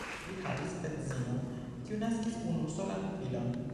Li havis edzinon, kiu naskis unusolan filon.